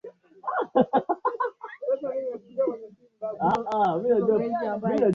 kanda ndefu sana kutoka Somalia hadi Msumbiji